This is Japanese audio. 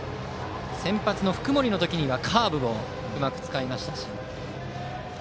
先発の福盛の時にはカーブをうまく使いましたし。